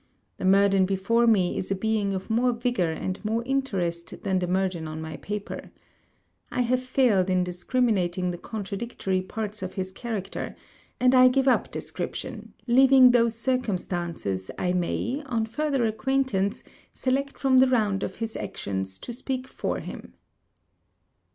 The Murden before me is a being of more vigour and more interest than the Murden on my paper. I have failed in discriminating the contradictory parts of his character; and I give up description; leaving those circumstances I may, on further acquaintance, select from the round of his actions to speak for him.